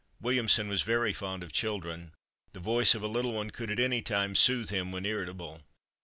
Williamson was very fond of children. The voice of a little one could at any time soothe him when irritable.